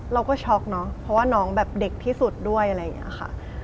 เราก็ช็อกเนาะเพราะว่าน้องแบบเด็กที่สุดด้วยอะไรอย่างนี้ค่ะ